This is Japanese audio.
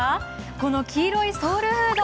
この黄色いソウルフード。